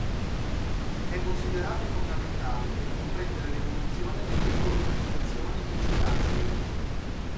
È considerato fondamentale per comprendere l'evoluzione dell'ecolocalizzazione nei cetacei.